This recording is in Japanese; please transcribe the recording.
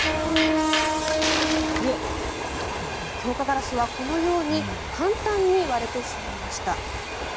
強化ガラスは、このように簡単に割れてしまいました。